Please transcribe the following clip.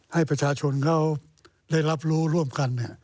ให้ประชาชนเขาได้รับรู้ร่วมกัน